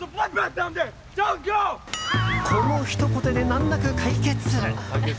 このひと言で難なく解決。